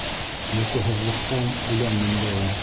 Йоҡоһоҙлоҡтан үлән мендәре